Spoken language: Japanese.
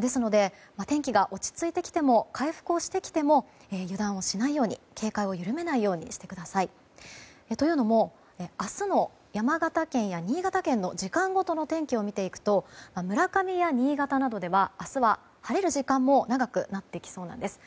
ですので天気が落ち着いてきても回復をしてきても油断をしないように警戒を緩めないようにしてください。というのも明日も山形県や新潟県の時間ごとの天気を見ていくと村上や新潟などでは明日は晴れる時間も長くなってきそうなんです。